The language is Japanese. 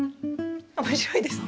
面白いですね。